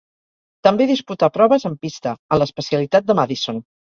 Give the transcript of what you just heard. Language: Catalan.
També disputà proves en pista, en l'especialitat de Madison.